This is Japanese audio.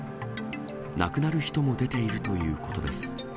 亡くなる人も出ているということです。